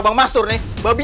misalnya ga kemarin